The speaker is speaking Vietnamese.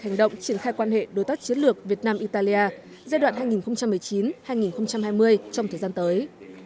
hành động triển khai quan hệ đối tác chiến lược việt nam italia giai đoạn hai nghìn một mươi chín hai nghìn hai mươi trong thời gian tới